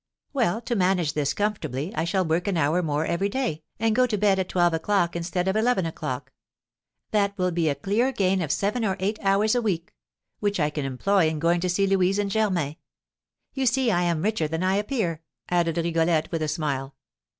Well, to manage this comfortably, I shall work an hour more every day, and go to bed at twelve o'clock instead of eleven o'clock; that will be a clear gain of seven or eight hours a week, which I can employ in going to see Louise and Germain. You see I am richer than I appear," added Rigolette, with a smile.